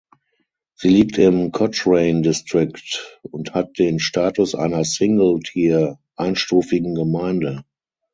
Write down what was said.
Sie liegt im Cochrane District und hat den Status einer Single Tier ("einstufigen Gemeinde").